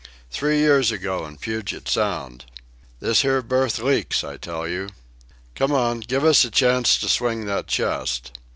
Three years ago, in Puget Sound.... This here berth leaks, I tell you!... Come on; give us a chance to swing that chest!...